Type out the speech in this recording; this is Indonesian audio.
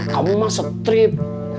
kamu mah strip